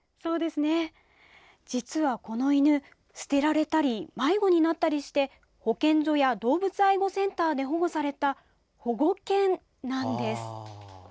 実はこの犬捨てられたり迷子になったりして保健所や動物愛護センターで保護された保護犬なんです。